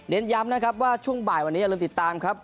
ย้ำนะครับว่าช่วงบ่ายวันนี้อย่าลืมติดตามครับ